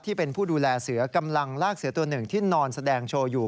ที่เป็นผู้ดูแลเสือกำลังลากเสือตัวหนึ่งที่นอนแสดงโชว์อยู่